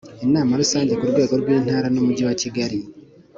Inama Rusange ku rwego rw Intara n Umujyi wa kigali